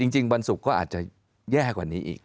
วันศุกร์ก็อาจจะแย่กว่านี้อีก